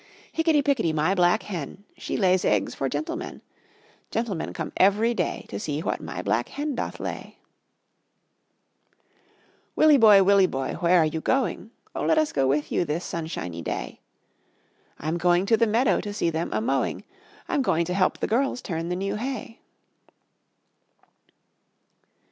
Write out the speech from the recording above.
Hickety, pickety, my black hen, She lays eggs for gentlemen: Gentlemen come every day To see what my black hen doth lay. Willie boy, Willie boy, Where are you going? O, let us go with you This sunshiny day. I'm going to the meadow To see them a mowing, I'm going to help the girls Turn the new hay.